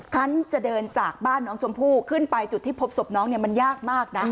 ครั้งจะเดินจากบ้านน้องชมพู่ขึ้นไปจุดที่พบศพน้องเนี่ยมันยากมากนะ